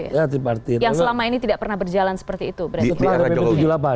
yang selama ini tidak pernah berjalan seperti itu